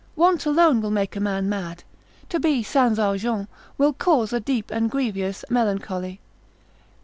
Want alone will make a man mad, to be Sans argent will cause a deep and grievous melancholy.